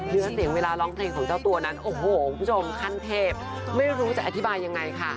เนื้อเสียงเวลาร้องเพลงของเจ้าตัวนั้นโอ้โหคุณผู้ชมขั้นเทพไม่รู้จะอธิบายยังไงค่ะ